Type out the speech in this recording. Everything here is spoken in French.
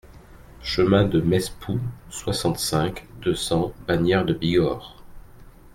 Chemin de Mespoux, soixante-cinq, deux cents Bagnères-de-Bigorre